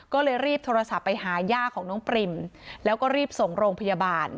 ก็เลยรีบโทรศัพท์ไปหาย่าของน้องปริมแล้วก็รีบส่งโรงพยาบาล